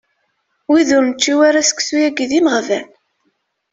Wid ur nečči ara seksu-yagi d imeɣban.